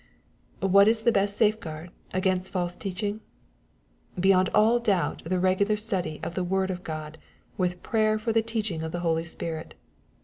What is the best safe guard against false teaching ? Beyond all doubt the regular study of the word of God, with prayer for the teaching of the Holy Spirit.